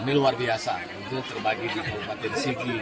ini luar biasa untuk terbagi di kabupaten sigi